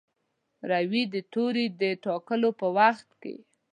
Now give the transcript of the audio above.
روي د توري د ټاکلو په وخت کې.